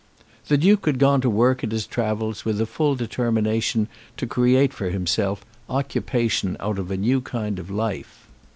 The Duke had gone to work at his travels with a full determination to create for himself occupation out of a new kind of life.